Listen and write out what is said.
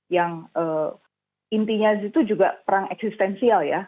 yang intinya itu juga perang eksistensial ya